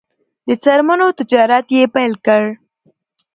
د څرمنو تجارت یې پیل کړ.